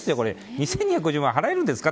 ２２５０万円払えるんですか？